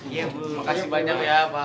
iya bu terima kasih banyak ya pak